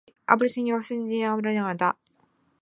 凝和庙和北长街的昭显庙决定兴建的。